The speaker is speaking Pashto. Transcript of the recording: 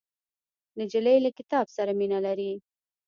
نجلۍ له کتاب سره مینه لري.